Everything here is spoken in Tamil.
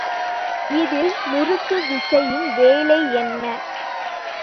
இதில் முறுக்கு விசையின் வேலை என்ன?